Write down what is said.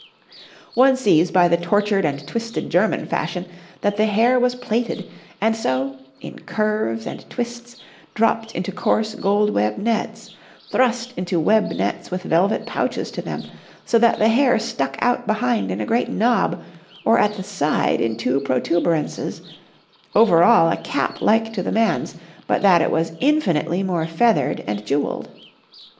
One sees by the tortured and twisted German fashion that the hair was plaited, and so, in curves and twists, dropped into coarse gold web nets, thrust into web nets with velvet pouches to them, so that the hair stuck out behind in a great knob, or at the side in two protuberances; over all a cap like to the man's, but that it was infinitely more feathered and jewelled.